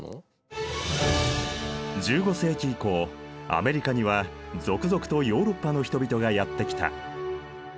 １５世紀以降アメリカには続々とヨーロッパの人々がやって来た。